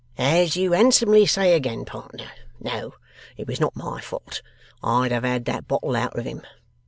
'As you handsomely say again, partner! No, it was not my fault. I'd have had that bottle out of him.